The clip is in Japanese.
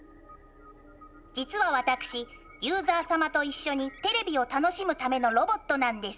実は私ユーザー様と一緒にテレビを楽しむためのロボットなんです。